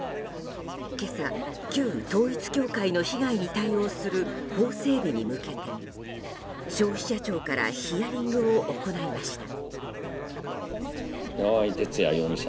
今朝、旧統一教会の被害に対応する法整備に向けて消費者庁からヒアリングを行いました。